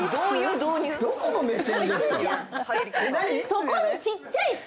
そこにちっちゃい「ツ」